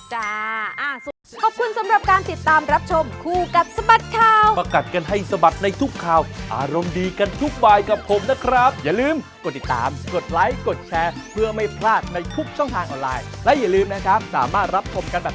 จ้าอ้าวสวัสดีครับ